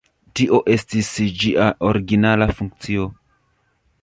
Tio estis ĝia originala funkcio.